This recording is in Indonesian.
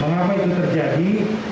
mengapa itu terjadi